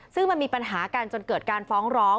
ซึ่งมันมีปัญหากันจนเกิดการฟ้องร้อง